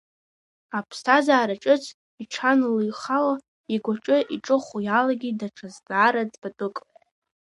Аԥсҭазаара ҿыц иҽаналеихала игәаҿы иҿыхо иалагеит даҽа зҵаара ӡбатәык.